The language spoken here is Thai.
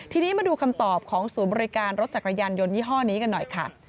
ทีนี้มาดูคำตอบของศูนย์บริการรถจักรยานยนต์ยี่ห้อนี้กันหน่อยค่ะ